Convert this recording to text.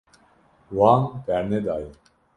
Wan bernedaye.